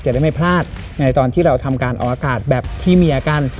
ได้ไม่พลาดในตอนที่เราทำการออกอากาศแบบพี่เมียกัน